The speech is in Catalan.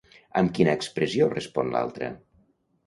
Amb quina expressió respon l'altra?